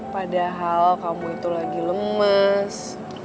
padahal kamu itu lagi lemes